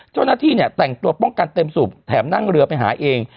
เจ้าหน้าที่เนี่ยแต่งตัวป้องกันเต็มสูบแถมนั่งเรือไปหาเอง